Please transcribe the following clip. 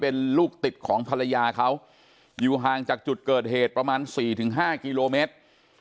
เป็นลูกติดของภรรยาเขาอยู่ห่างจากจุดเกิดเหตุประมาณ๔๕กิโลเมตร